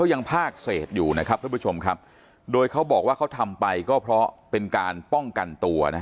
ยังภาคเศษอยู่นะครับท่านผู้ชมครับโดยเขาบอกว่าเขาทำไปก็เพราะเป็นการป้องกันตัวนะ